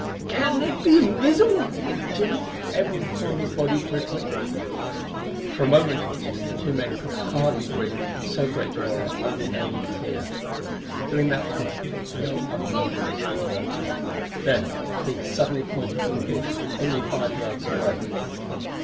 "Can they be invisible?" breathed Jim, every pore in his body prickling. For a moment the two men could hardly breathe, so great was their unnamed fear. During that time no other movements could be noted. Then Clee suddenly pointed to a bush only five yards away.